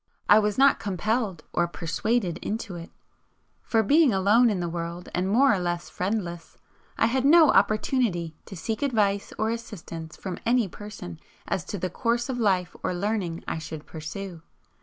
I was not compelled or persuaded into it, for, being alone in the world and more or less friendless, I had no opportunity to seek advice or assistance from any person as to the course of life or learning I should pursue.